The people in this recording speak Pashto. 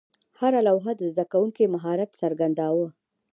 هره لوحه د زده کوونکي مهارت څرګنداوه.